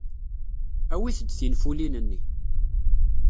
Awit-d tinfulin-nni.